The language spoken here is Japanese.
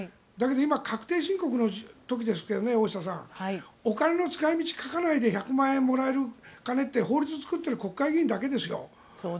だけど今確定申告の時ですけどねお金の使い道を書かないで１００万円もらえる金って法律を作っている国会議員だけですよ。